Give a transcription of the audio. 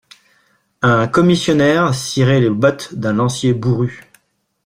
Un commissionnaire cirait les bottes d'un lancier bourru.